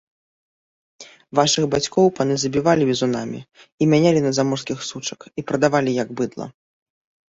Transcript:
— Вашых бацькоў паны забівалі бізунамі, і мянялі на заморскіх сучак, і прадавалі, як быдла…